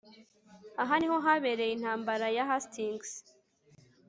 aha niho habereye intambara ya hastings